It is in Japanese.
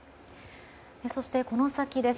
そして、この先です。